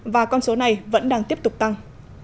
và con số này vẫn đang tiếp tục tăng